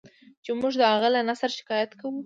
چې موږ د هغه له نثره شکایت کوو.